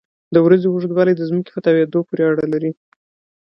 د ورځې اوږدوالی د ځمکې په تاوېدو پورې اړه لري.